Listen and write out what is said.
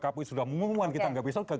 kpu sudah mengumumkan kita nggak bisa